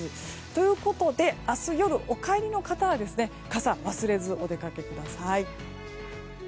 ということで明日夜お帰りの方は傘、忘れずお出かけください。